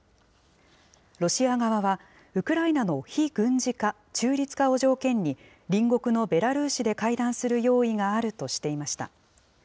ロシア側はウクライナの非軍事化・中立化を条件に隣国のベラルーシで会談する用意があるとしていました。